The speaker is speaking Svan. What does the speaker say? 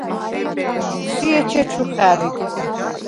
სი ეჩეჩუ ხა̈რი.